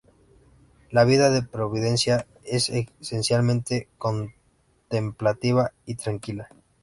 La vida en Providencia es esencialmente contemplativa y tranquila.